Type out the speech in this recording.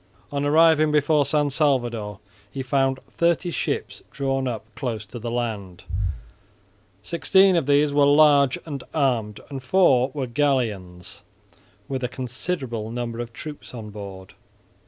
On arriving before San Salvador he found thirty ships drawn up close to the land; sixteen of these were large and armed, and four were galleons with a considerable number of troops on board.